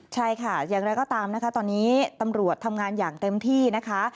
ใช่ค่ะอย่างไรก็ตามนะคะตอนนี้ตำรวจทำงานอย่างเต็มที่นะคะ